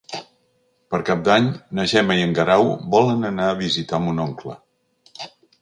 Per Cap d'Any na Gemma i en Guerau volen anar a visitar mon oncle.